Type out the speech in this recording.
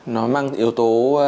nó mang yếu tố kim khí nó hút ánh sáng